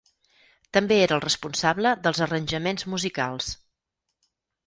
També era el responsable dels arranjaments musicals.